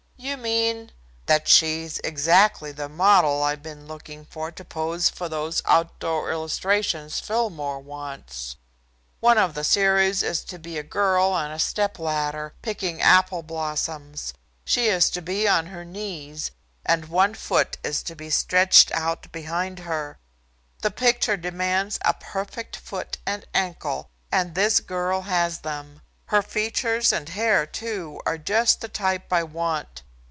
"You mean " "That she's exactly the model I've been looking for to pose for those outdoor illustrations Fillmore wants. One of the series is to be a girl on a step ladder, picking apple blossoms. She is to be on her knees, and one foot is to be stretched out behind her. The picture demands a perfect foot and ankle, and this girl has them. Her features and hair, too, are just the type I want.